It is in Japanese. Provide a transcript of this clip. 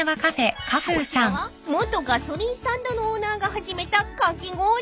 ［こちらは元ガソリンスタンドのオーナーが始めたかき氷店］